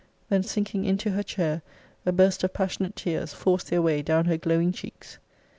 Then, sinking into her chair, a burst of passionate tears forced their way down her glowing cheeks.